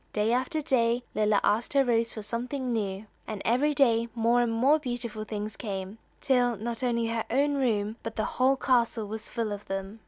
Day after day Lilla asked her rose for something new, and every day more and more beautiful things came, till not only her own room, but the whole castle was full of them.